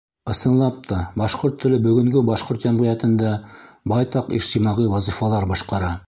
Ысынлап та, башҡорт теле бөгөнгө башҡорт йәмғиәтендә байтаҡ ижтимағи вазифалар башҡара.